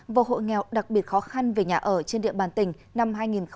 và hộ nghèo đặc biệt khó khăn về nhà ở trên địa bàn tỉnh năm hai nghìn hai mươi